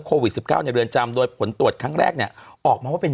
โควิด๑๙ในเรือนจำโดยผลตรวจครั้งแรกเนี่ยออกมาว่าเป็น